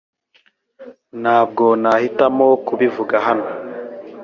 Ntabwo nahitamo kubivuga hano